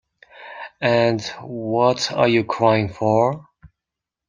And what are you crying for?